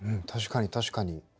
確かに確かに。